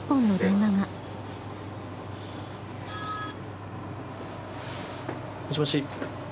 もしもし。